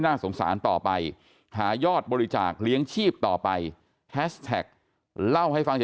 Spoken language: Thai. น่าสงสารต่อไปหายอดบริจาคเลี้ยงชีพต่อไปแฮชแท็กเล่าให้ฟัง